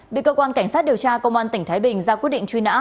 bị cơ quan cảnh sát điều tra công an tỉnh thái bình ra quyết định truy nã